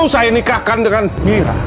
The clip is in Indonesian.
kamu saya nikahkan dengan mira